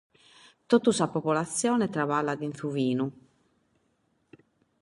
Totu sa populatzione traballat cun su binu.